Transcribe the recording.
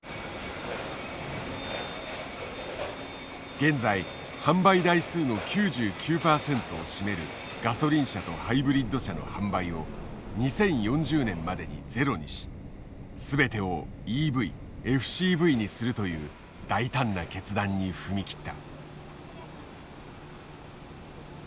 現在販売台数の９９％を占めるガソリン車とハイブリッド車の販売を２０４０年までにゼロにし全てをＥＶＦＣＶにするという大胆な決断に踏み切った。